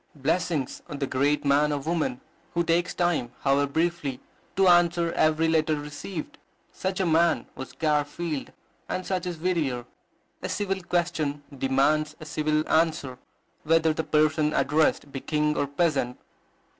Blessings on the great man or woman who takes time, however briefly, to answer every letter received! Such a man was Garfield, and such is Whittier. A civil question demands a civil answer, whether the person addressed be king or peasant.